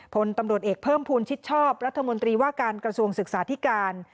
พลตำรวจเอกเพิ่มภูมิชิดชอบรัฐมนตรีว่าการกระทรวงศึกษาธิการ